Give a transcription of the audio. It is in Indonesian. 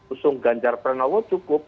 usung ganjar pranowo cukup